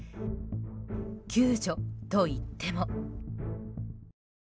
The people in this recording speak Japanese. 救助といっても。